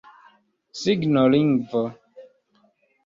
signolingvo